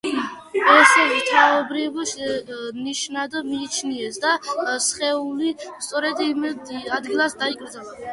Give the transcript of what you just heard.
ეს ღვთაებრივ ნიშნად მიიჩნიეს და სხეული სწორედ იმ ადგილას დაკრძალეს.